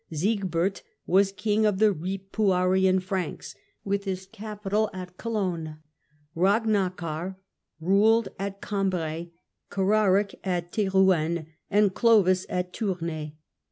Siegbert was king of the liipuarian Franks, with his capital at Cologne ; Ragnakar ruled at Cambrai, Cararic at Terouenne and Clovis at Tournai.